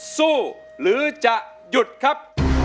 สู้หรือจะหยุดครับ